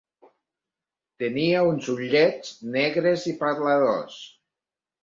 Tenia uns ullets negres i parladors.